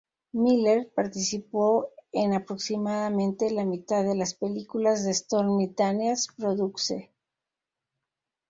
Miller participó en aproximadamente la mitad de las películas que Stormy Daniels produce.